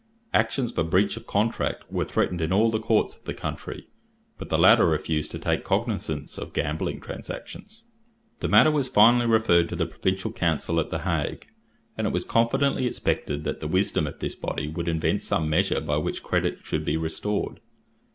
Actions for breach of contract were threatened in all the courts of the country; but the latter refused to take cognisance of gambling transactions. The matter was finally referred to the Provincial Council at the Hague, and it was confidently expected that the wisdom of this body would invent some measure by which credit should be restored.